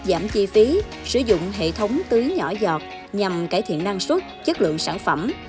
với chi phí sử dụng hệ thống tưới nhỏ dọt nhằm cải thiện năng suất chất lượng sản phẩm